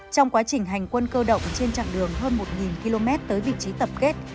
trong quá trình hành quân cơ động trên chặng đường hơn một km tới vị trí tập kết